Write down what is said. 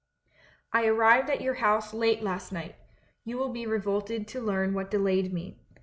"I arrived at your house late last night. You will be revolted to learn what delayed me.